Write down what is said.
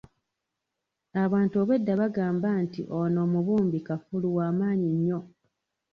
Abantu obwedda bagamba nti ono omubumbi kafulu w'amaanyi nnyo.